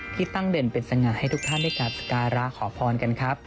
ที่ตั้งเด่นเป็นสง่าให้ทุกท่านได้กราบสการะขอพรกันครับ